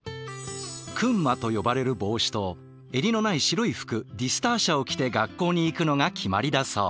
「クンマ」と呼ばれる帽子と襟のない白い服「ディスターシャ」を着て学校に行くのが決まりだそう。